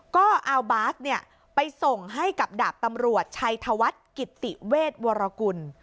ก็เอาบาสเนี่ยไปส่งให้กับดาบตำรวจชัยธวัฒน์กิติเวชวรกุล